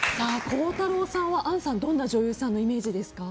孝太郎さんは、杏さんどんな女優さんのイメージですか？